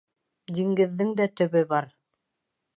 Диңгеҙҙең дә төбө бар